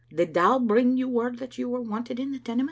Did Dow bring you word that you were wanted in the Tenements?"